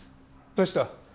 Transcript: どうした？